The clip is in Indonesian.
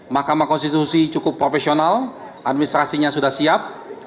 mahkamah konstitusi cukup profesional administrasinya sudah siap